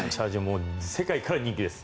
世界から人気です。